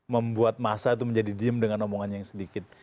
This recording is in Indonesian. membuat massa itu menjadi diem dengan omongannya yang sedikit